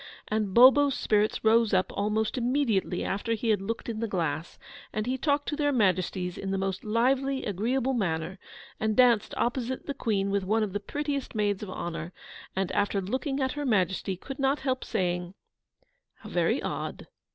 And Bulbo's spirits rose up almost immediately after he had looked in the glass, and he talked to their Majesties in the most lively, agreeable manner, and danced opposite the Queen with one of the prettiest maids of honour, and after looking at Her Majesty, could not help saying 'How very odd!